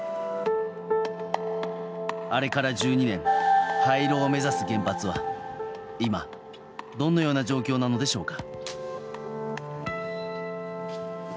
あれから１２年廃炉を目指す原発は今どのような状況なのでしょうか。